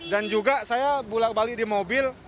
dan juga saya pulang balik di mobil